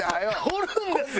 放るんですよ！